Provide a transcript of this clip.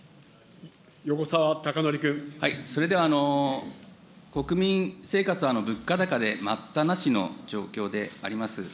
それでは、国民生活、物価高で待ったなしの状況であります。